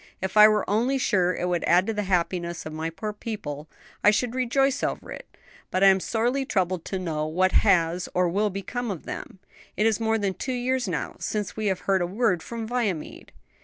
If I were only sure it would add to the happiness of my poor people, I should rejoice over it. But I am sorely troubled to know what has, or will become of them. It is more than two years now, since we have heard a word from Viamede."